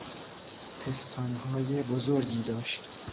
پستانهای بزرگی داشت.